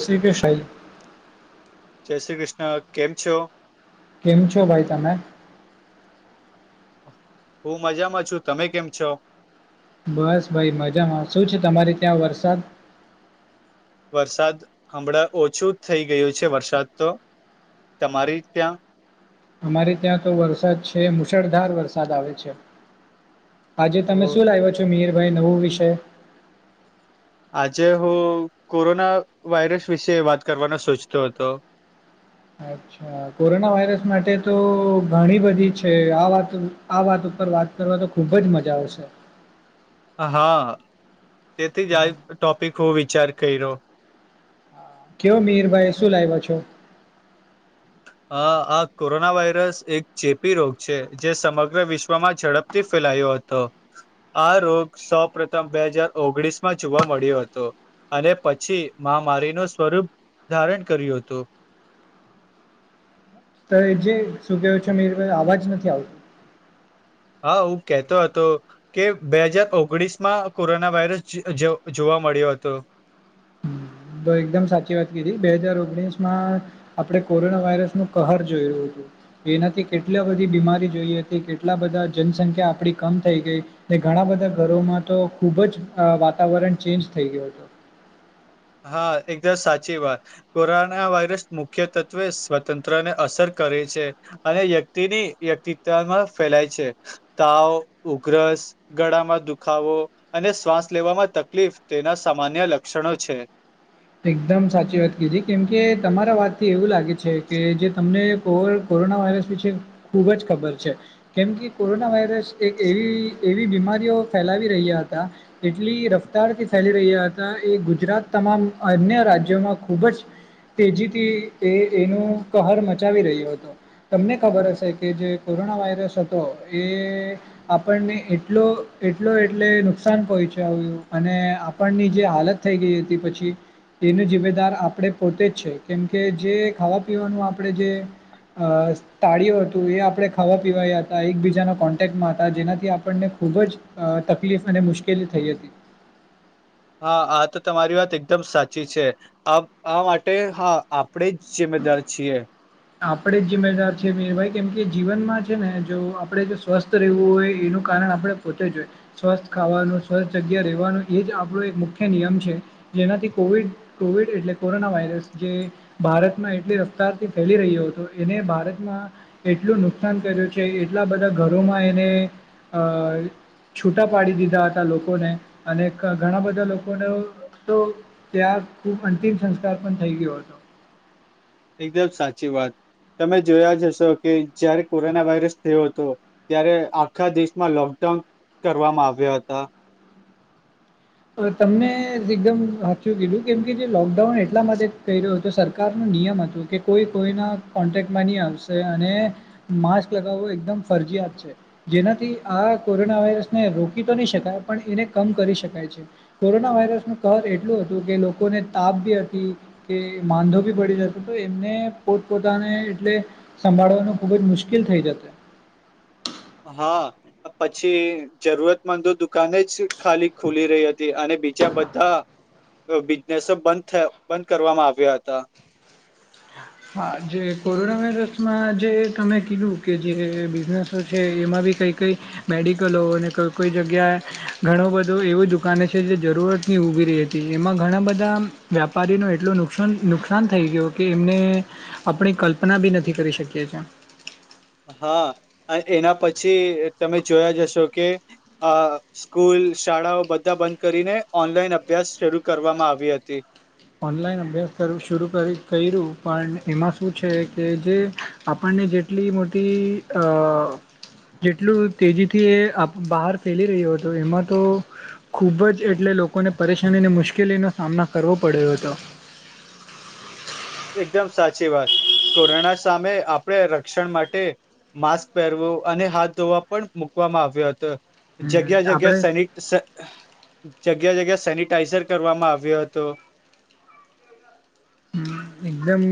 દસરી કે શાહી જય શ્રી કૃષ્ણ કેમ છો કેમ છો ભાઈ તમે હું મજામાં છું તમે કેમ છો બસ ભાઈ મજામાં શું છે તમારી ત્યાં વરસાદ વરસાદ હમણાં ઓછું થઈ ગયું છે વરસાદ તો તમારી ત્યાં અમારે ત્યાં તો વરસાદ છે મુશળધાર વરસાદ આવે છે આજે તમે હો. શું લાવ્યો છો મિરભાઈ નવું વિષય આજે હું કોરોના વાયરસ વિશે વાત કરવાનો સોચતો હતો અચ્છા કોરોના વાયરસ માટે તો ઘણી બધી છે આ વાત આ વાત વાત કરવા તો ખુબ જ મજા આવશે હ હા તેથી જ આ ટોપિક હું વિચાર કર્યો કયો મિર ભાઈ શું લાવ્યા છો હ અ આ કોરોના વાયરસ એક ચેપી રોગ છે જે સમગ્ર વિશ્વમાં ઝડપથી ફેલાયો. અતો આ રોગ સૌ પ્રથમ બે હજાર ઓગણીસ માં જોવા મળ્યો હતો. અને પછી મહામારીનું સ્વરૂપ ધારણ કર્યું હતું. તો જે શું કેું છે મે અવાજ નથી આવતો. હા હું કતો હતો કે બે હજાર ઓગણીસ માં કોરોના વાયરસ જ જ જોવા મળ્યો હતો. તો એકદમ સાચી વાત કીધી બે હાજાર ઓગણીસ માં આપડણે કોરોના વાયરસ નું કહર જોયું. એનાથી કેટલી બધી બીમારી જોઈ હતી કેટલા બધા જનસંખ્યા આપડી કમ થઈ ગઈ. ઘણા બધા ઘરોમાં તો ખુબ જ વાતાવરણ ચેન્જ થઈ ગયો હતું. હા એકદમ સાચી વાત કોરોના વાયરસ મુખ્ય તત્વે સ્વતંત્ર ને અસર કરે. છે અને વ્યક્તિની વ્યક્તિિત્વમાં ફેલાય છે તાવ ઉગ્રસ ગળામાં દુખાવો અને શ્વાસ લેવામાં તકલીફ તેના સામાન્ય લક્ષણો છે. એકદમ સાચી વાત કીધી કેમકે તમારા વાતથી એવું લાગે છે કે જે તમને ઓવર કોરોના વાયરસ વિશે ખૂબ જ ખબર છે કેમ કે કોરોના વાયરસ એક એવી એવી બીમારીઓ ફેલાવી રહ્યા હતા એટલી રફતારથી ફેલી રહ્યા હતા એ ગુજરાત તમામ અન્ય રાજ્યોમાં ખૂબ જ તેજીથી એ એનું કહર મચાવી રહ્યો હતો તમને ખબર હશે કે જે કોરોના વાયરસ હતો એ આપણને એટલો એટલો એટલે નુકસાન પહોચો. આવ અને આપણની જે હાલત થઈ ગઈ હતી પછી. એનો જિ્મેદાર આપણે પોતે જ છે કેમકે જે ખાવા પીવાનું આપણે જે અ તાળિું હતું એ આપણે ખાવા પીવાયા હતા એકબીજાના કોન્ટેક્ટમાં હતા જેનાથી આપણને ખૂબ જ તકલીફ અને મુશ્કેલી થઈ હતી. [unintelligible] હા આ તો તમારી વાત એકદમ સાચી છે આ માટે હા આપણે જે મેદાર છીએ. આપણેે જિ્મેદાર છે મીરભાઈ કેમ કે જીવનમાં છે ને જો આપડણે જો સ્વસ્થ રહેવું હોય એ નું કારણ આપણે પોતે જ જોઈએ સ્વસ્થ ખાવાનું સ્વસ્થ જગ્યા રહેવાનું એ જ આપણો એક મુખ્ય નિયમ છે. જેનાથી કોવિડ કોવિડ એટલે કોરોના વાયરસ જે ભારતમાં એટલી રફતારથી ફેલી રહ્યો હતો એને ભારતમાં એટલું નુકસાન કર્યું છે એટલા બધા ઘરોમાં એને અ છૂટા પાડી દીધા હતા લોકોને અને ઘણા બધા લોકોને તો ત્યાં ખુબ અંતિમ સંસ્કાર પણ થઈ ગયો હતો. એકદમ સાચી વાત. તમે જોયા જ હશો કે જયારે કોરોના વાયરસ થયો હતો ત્યારે આખા દેશમાં લોકડાઉન કરવામાં આવ્યા હતા. તમને એકદમ સાચું કીધું કેમ કે જે લોકડાઉન એટલા માટે થઈ રહ્યો હતો સરકારનું નિયમ હતું કે કોઈ કોઈના કોન્ટેક્ટમાં નહી આવશે અને માસ્ક લગાવવો એકદમ ફર જયત છે જેનાથી આ કોરોના વાયરસને રોકી તો નહી શકાય પણ એને કમ કરી શકાય છે. કોરોના વાયરસ નું કહર એટલું હતું કે લોકોને તાપ બી હતી કે માંંધો બી પડી એમને પોતપ પોતાને એટલે સંભળવાનું ખુબ જ મુશ્કેલ થઈ જતે. [inaudible] હા પછી જરૂરતમંદ તો દુકાને જ ખાલી ખુલી રહી હતી અને બીજા બધા બિઝનેસો બ બંધ કરવામાં આવ્યા હતા. હા જે કોરોના વાયરસમાં જે તમે કીધું કે જે બિઝનેસ છે એમાં કઈ કઈ મેડિકલો અને કઈ કોઈ જગ્યાએ ઘણું બધું એવુ દુકાને છે જે જરૂર થી ઊભી રહી હતી એમાં ઘણા બધા વ્યાપારીનો એટલોું નુકસાન નુકસાન થઈ ગયો કે એમને આપણી કલ્પના બી નથી કરી શકીઅછે. હા એના પછી તમે જોયા જશો કે આ સ્કૂલ શાળાઓ બધા બંધ કરીને ઓનલાઈન અભ્યાસ શરૂ કરવામાં આવી હતી. ઓનલાઈન અભ્યાસ કરવુ શુરુ કર્યું પણ એમાં શું છે કે જે આપણ ને જેટલી મોટી અ જેટલું તેજીથી એ બહાર ફેલી રહ્યો હતો. એમાં તો ખૂબ જ એટલે લોકોને પરેશાની અને મુશ્કેલીનો સામનો કરવો પડ્યો હતો. એકદમ સાચી વાત કોરોના સામે આપડણે રક્ષણ માટે માસ્ક પહેરવું અને હાથ ધોવા પણ મુકવામાં આવ્યો હતો. હમ જગ્યા જગ્યા આપણે સેનિટ જગ્યા જગ્યા સેનિટાઈઝર કરવામાં આવ્યો હતો. એકદમ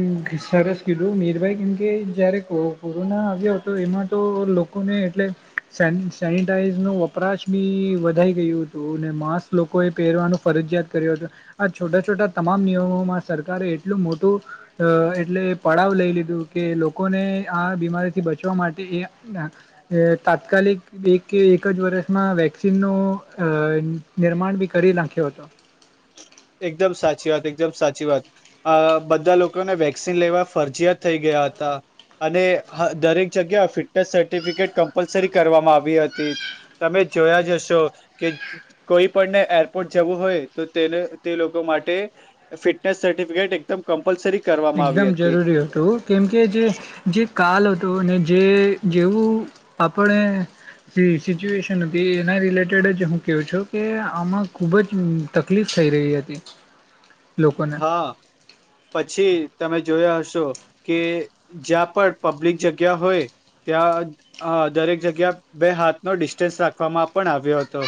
સરસ કીધું મીરભાઈ કેમકે જયારે કોરોના આવ્યો હતો તો એમાં તો લોકોને એટલે સેન સેનિટાઈઝનો વપરાશ બી વધાઈ ગયું હતું. તોને માસ્ક લોકોએ પહેરવાનું ફરજિયાત કર્યું. હત આ છોટા છોટા તમામ નિયમોમાં સરકાર સરકારે એટલું મોટું અ એટલે પડાવ લઈ લીધું કે લોકોને આ બીમારીથી બચવા માટે તાત્કાલિક એક કે એક જ વર્ષમાં વેક્સિનનો અ નિર્માણ બી કરી નાખ્યો હતો. એકદમ સાચી વાત એકદમ સાચી વાત બધા લોકોને વેક્સિન લેવા ફરજીયાત થઈ ગયા હતા. અને દરેક જગ્યા ફિટનેસ સર્ટિફિકેટ કમ્પલસરી કરવામાં આવી હતી. તમે જોયા જશો કે કોઈ પણને એરપોર્ટ જવું હોય તો તેને તે લોકો માટે ફિટનેસ સર્ટિફિકેટ એકદમ કમ્પલસરી કરવામાં આવી એકદમ હતી જરૂરી હતું કેમકે જે જે કાલ હતો ને જે જેવું આપણે સિચ્યુએશન હતી એના રિલેટેડ જ હું કું છું કે આમાં ખુબ જ તકલીફ થઈ રહી હતી. લોકોને હા, પછી તમે જોયા હશો કે જ્યાં પણ પબ્લિક જગ્યા હોય ત્યાં દરેક જગ્યા બે હાથ નો ડિસ્ટન્સ રાખવામાં પણ આવ્યો હતો.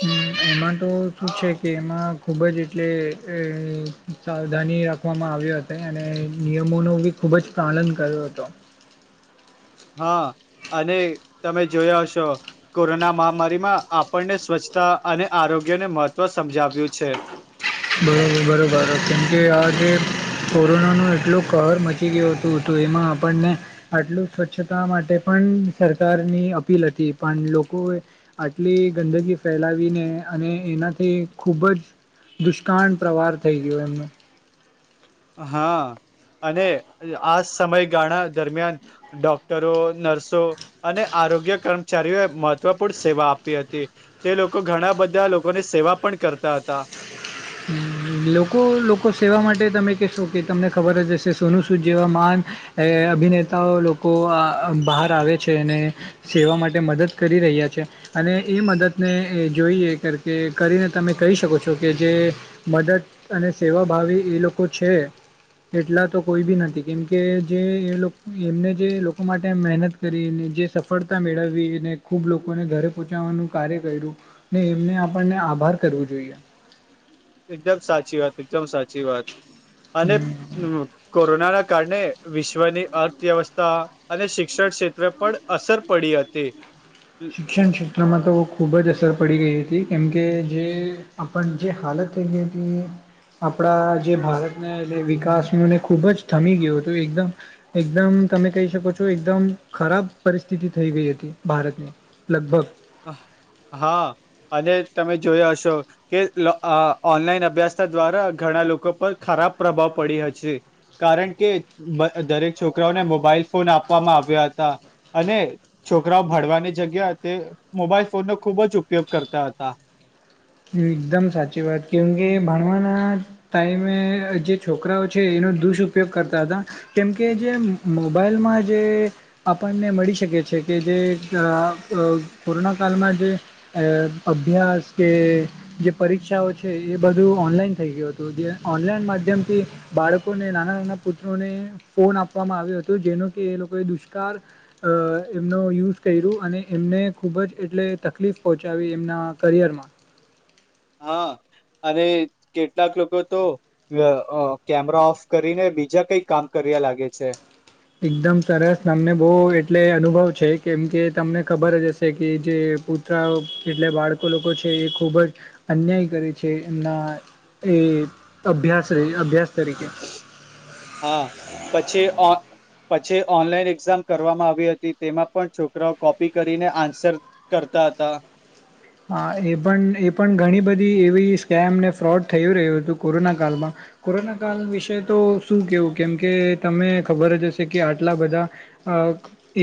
હમ એમાં તો શું છે કે એમાં ખુબ જ એટલે સાવધાની રાખવામાં આવ્યો હતો અને નિયમોનું બી ખુબ જ પાલન કર્યું હતો. હા. અને તમે જોયા હશો કોરોના મહામારીમાં આપણને સ્વચ્છતા અને આરો ગ્યને મહત્ત્વ સમજાવ્યું છે. બ બરોબર કેમકે આજે કોરોના ન એટલું કહર મચી ગયું હતું હતું તો એમાં આપણને આટલું સ્વચ્છતા માટે પણ સરકારની અપીલ હતી પણ લોકો લોકો આટલી ગંદગી ફેલાવીને અને એનાથી ખૂબ જ દુષ્કાળ પ્રવાહર થઈ ગયો એમને. હા. અને આ સમયગાળા દરમિયાન ડોક્ટરો, નર્સો અને આરોગ્ય કર્મચારીઓએ મહત્વપૂર્ણ સેવા આપી હતી. તે લોકો ઘણા બધા લોકોની સેવા પણ કરતા હતા. હમ લોકો લોકો સેવા માટે તમે કહેશો કે તમને ખબર જ હશે સોનુ સૂદ જેવા માન અભિનેતાઓ લોકો બહાર આવે છે અને સેવા માટે મદદ કરી રહ્યા છે. અને એ મદદને એ જોઈએ કર કે કરીને તમે કહી શકો છો કે જે મદદ અને સેવાભાવી એ લોકો છે. એટલા તો કોઈ બી નથી કેમકે જે એ એમને જે લોકો માટે મહેનત કરી જે સફળતા મેળવી અનેને ખુબ લોકોને ઘરે પહોચાવાનું કાર્ય કર્યું ને એમને આપણને આભાર કરવું જોઈએ. એકદમ સાચી વાત એકદમ સાચી વાત અને હમ કોરોનાના કારણે વિશ્વની અર્થવ્યવસ્થા અને શિક્ષણ ક્ષેત્રે પર અસર પડી હતી શિક્ષણ ક્ષેત્રમાં તો ખુબ જ અસર પડી ગઈ હતી કેમ કે જે આપ જે હાલત એ એ ત આપણા જે ભારતને એ વિકાસનું એને ખૂબ જ થમી ગયું હતું એકદમ એકદમ તમે કહી શકો છો એકદમ ખરાબ પરિસ્થિતિ થઈ ગઈ હતી ભારતની લગભગ હ હા અને તમે જોયા હશો કે ઓનલાઈન અભ્યાસ દ્વારા ઘ લોકો પર ખરાબ પ્રભાવ પડી છે કારણ કે દરેક છોકરાઓને મોબાઈલ ફોન આપવામાં આવ્યા હતા અને છોકરાઓ ભડવાની જગ્યા તે મોબાઈલ ફોનનોો ખૂબ જ ઉપયોગ કરતા હતા એકદમ સાચી વાત કેમ કે ભણવાના ટાઈમે જે છોકરાઓ છે એનો દુષયોગ કરતા હતા કેમકે જે મોબાઈલ આપણને મળી શકે છે કે જે કોરોના કળમાં એ અ અભ્યાસ કે જે પરીક્ષાઓ છે એ બધું ઓનલાઈન થઈ ગયું હતું જે ઓનલાઈન માધ્યમથી બાળકોને નાના નાના પુત્રોને ફોન આપવામાં આવ્યો હતો જેનો કે એ લોકોએ દુષ્કાળ એ એ નો યુઝ કર્યું અને એમને ખુબ જ એટલે તકલીફ પહોંચાવી એમના કરિયરમાં હા અને કેટલાક લોકો તો એ અ કેમેરા ઓફ કરીને બીજા કઈ કામ કરતું ગયા લાગે છે. એકદમ સરસ તમને બહું એટલે અનુભવ છે કેમ કે તમને ખબર જ હશે કે જે જે પૂતરાઉ એટલે બાળકો લોકો છે એ ખુબ જ અન્યાય કરે છે એમના એ અભ્યાસ જ આયા અભ્યાસ તરીકે હા પછી અ પછી ઓનલાઈન એક્ઝામ કરવામાં આવી હતી તેમાં પણ છોકરાઓ કોપી કરીને આન્સર કરતા હતા ખાલી હા એ પણ એ પણ ઘણી બધી એવી સ્કેમ અનેને ફ્રોડ થય રહ્યું હતું કોરોના કાલમાં કોરોના કાલ વિશે તો શું કેવું કેમ કે તમને ખબર જ હશે કે આટલા બધા અ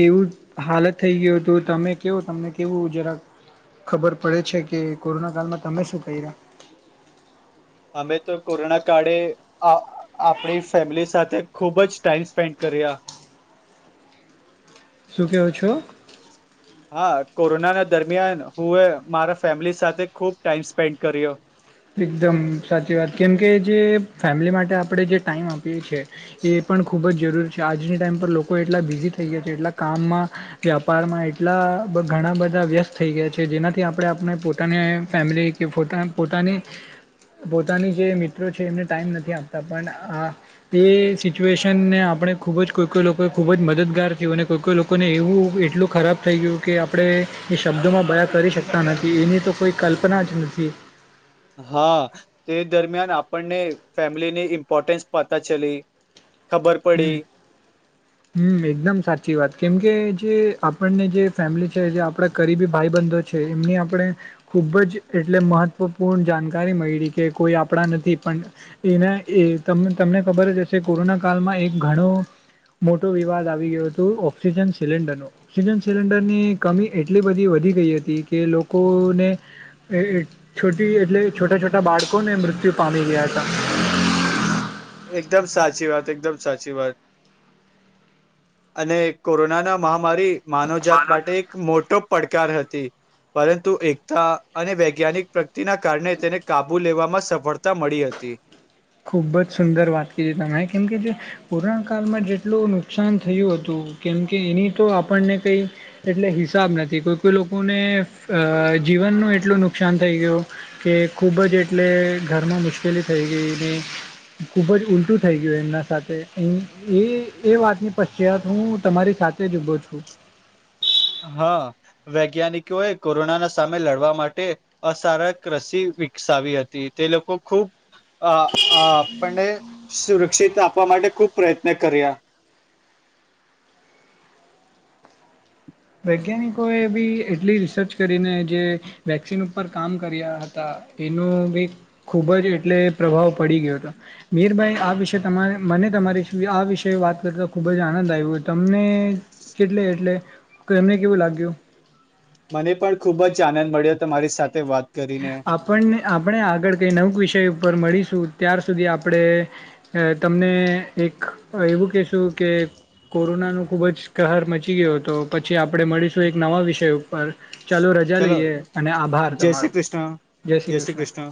એવું હાલત થઈ ગયું હતું તમે કેવો તમને કેવું જરાક ખબર પડે છે કે કોરોના કાળમાં તમે શું ક્યા અમે તો કોરોના કાળે અ આપણી ફેમિલી સાથે ખુબ જ ટાઈમ સ્પેન્ડ કર્યા. ખાલી શું કેવો છો? [inaudible] હા કોરોના ના દરમિયાન હું એ મારા ફેમિલી સાથે ખૂબ ટાઈમ સ્પેન્ડ કર્યો. એકદમ સાચી વાત કેમકે જે ફેમિલી માટે આપણે જે ટાઈમ આપીએ છે એ પણ ખૂબ જ જરૂરી છે આજની ટાઈમ પર લોકો એટલા બિઝી થઈ ગયા છે એટલા કામમાં વ્યાપારમાં એટલા અ ઘણા બધા વ્યસ્ત થઈ ગયા છે જેનાથી આપણે આપને પોતાની ફેમિલી કે પોતાન પોતાની ખાલી પોતાની જે મિત્રો છે એમને ટાઈમ નથી આપતા પણ એ સિચ્યુએશનને આપણે અને ખૂબ જ કોઈ કોઈ લોકોએ ખૂબ જ મદદગાર થયું અને કોઈ કોઈ લોકોને એવું એટલું ખરાબ થઈ ગયું કે આપણે એ શબ્દોમાં બયા કરી શકતા નથી એની તો કોઈ કલ્પના જ નથી. હા તે દરમિયાન આપણને ફેમિલીની ઇમ્પોર્ટન્સ પતા ચલી. ખબર હમ પડી હમ એકદમ સાચી વાત કેમ કે જે આપણને જે ફેમિલી છે જે આપણા કરીરબી ભાઈબંધો છે એમની આપણે ખૂબ જ એટલે મહત્વપૂર્ણ જાનકારી મય્ળી કે કોઈ આપણા નથી પન એના એ તમ તમને ખબર જ હશે કોરોના કાલમાં એક ઘણો મોટો વિવાદ આવી ગયો હતો ઓક્સિજન સિલિન્ડરનો ઓક્સિજન સિલિન્ડરની કમી એટલી બધી હોય વધી ગઈ હતી કે લોકોને એએ છોટી એટલે છોટા છોટા બાળકોને મૃત્યુ [unintelligible] એકદમ સાચી વાત એકદમ સાચી વાત. અને કોરોનાના મહામારી માનવજાત માટે એક મોટો પડકાર હતી. પરંતુ એકતા અને વૈજ્ઞાનિક પ્રગતિના કારણે તેને કાબુ લેવામાં સફળતા મળી હત તે [inaudible] ખુબ જ સુંદર વાત કીધી તમે કેમ કે જે એ કોરોના કાલમાં જેટલું નુકસાન થયું હતું કેમ કે એની તો આપણને કંઈ એટલે હિસાબ નથી કોઈ કોઈ લોકોને એ ફ જીવનનું એટલું નુકસાન થઈ ગયું કે ખૂબ જ એટલે ઘરમાં મુશ્કેલી થઈ ગઈ હ [inaudible] ખુબ જ ઉલટું થઈ ગયું એમના સાથે ઉમ એ એ વાતની પશ્ચાત હું તમારી સાથે સાથે જ ઊભો છું. ખાલી હ અ અ વૈજ્ઞાનિકો એ કોરોનાના સામે લડવા માટે અસારક રસી વિકસાવી હતી તે લોકો ખુબ અ આપને સુરક્ષિત આપવા માટે ખુબ પ્રયત્ન કર્યા વૈજ્ઞાનિકો એ બી એટલી રિસર્ચ કરીને જે વેક્સિન ઉપર કામ કર્યા હતા એનો ભ ખુબ જ એટલે પ્રભાવ પડી ગયો હતો મીરભાઈ આ વિષ તમારે મને તમારી આ વિષ વાત કરતા ખૂબ જ આનંદ આવ્યો તમને કેટલે એટલે કર એમને કેવું લાગ્યો મને પણ ખુબ જ આનંદ મળ્યો હતોરી સાથે વાત કરીને. આપણને આપણે આગળ કઈ નવુક વિષય પર મળીશું ત્યાર સુધી આપણે તમને એક એવું કહેશું કે કોરોના ન ખુબ જ કહર મચી ગયો હતો પછી આપણે મળીશું એક નવા વિષય ઉપર ચાલો રજા ચલો લઈએ અને આભાર જય તમારો શ્રી કૃષ્ણ જય શ્રી કૃષ્ણ